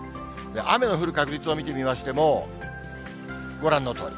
雨の降る確率を見てみましても、ご覧のとおり。